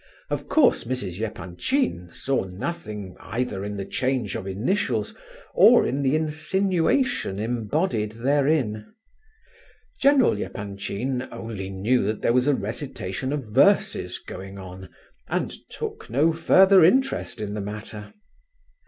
Of course Mrs. Epanchin saw nothing either in the change of initials or in the insinuation embodied therein. General Epanchin only knew that there was a recitation of verses going on, and took no further interest in the matter.